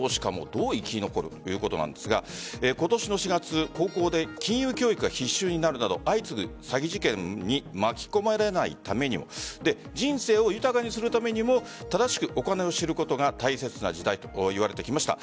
どう生き残る？ということなんですが今年の４月高校で金融教育が必修になるなど相次ぐ詐欺事件に巻き込まれないために人生を豊かにするためにも正しくお金を知ることが大切な時代といわれてきました。